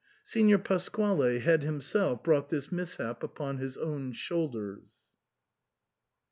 Signor Pasquale had himself brought this mishap upon his own shoulders.